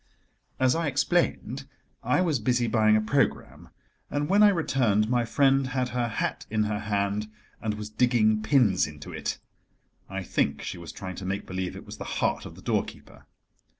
As I explained, I was busy buying a programme, and when I returned my friend had her hat in her hand, and was digging pins into it: I think she was trying to make believe it was the heart of the doorkeeper.